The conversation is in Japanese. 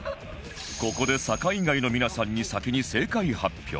ここで酒井以外の皆さんに先に正解発表